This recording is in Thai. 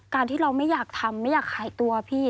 การที่เราไม่อยากทำไม่อยากขายตัวพี่